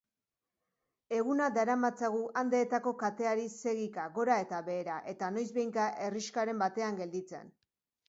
Egunak daramatzagu Andeetako kateari segika gora eta behera, eta noizbehinka herrixkaren batean gelditzen.